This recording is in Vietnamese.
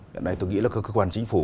hiện nay tôi nghĩ là cơ quan chính phủ